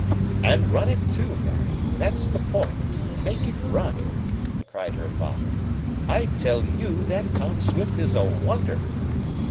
"And run it, too, Mary! That's the point! Make it run!" cried her father. "I tell you, that Tom Swift is a wonder!"